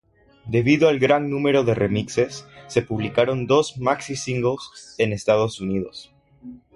Debido al gran número de remixes, se publicaron dos maxi singles en Estados Unidos.